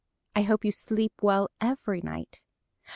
I hope you sleep well every night.